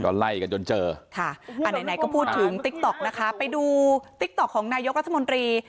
ก็ไล่กันจนเจอค่ะอันไหนไหนก็พูดถึงนะคะไปดูของนายกรัฐมนตรี